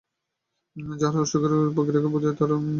যা উৎসর্গের আনুষ্ঠানিক প্রক্রিয়াকে বোঝায়।